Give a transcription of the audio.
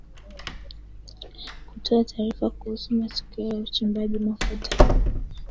kutoa tarifa kuhusu matokeo ya uchimbaji mafuta